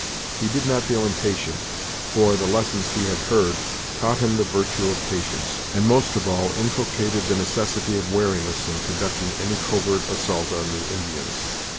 He did not feel impatient, for the lessons he had heard taught him the virtue of patience, and, most of all, inculcated the necessity of wariness in conducting any covert assault on the Indians.